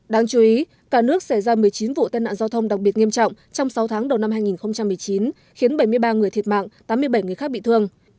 đáng chú ý cả nước xảy ra một mươi chín vụ tai nạn giao thông đặc biệt nghiêm trọng trong sáu tháng đầu năm hai nghìn một mươi chín khiến bảy mươi ba người thiệt mạng tám mươi bảy người khác bị thương